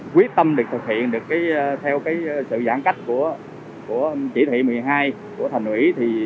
quyết tâm thực hiện theo sự giãn cách của chỉ thị một mươi hai của thành ủy